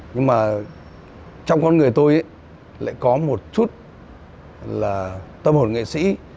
nhưng mà trong con người tôi lại có một chút là tâm hồn nghệ sĩ